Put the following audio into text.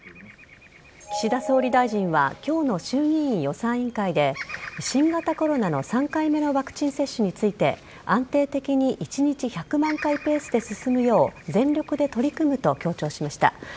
岸田総理大臣は今日の衆議院予算委員会で新型コロナの３回目のワクチン接種について安定的に一日１００万回ペースで進むよう全力で取り組むと強調しました。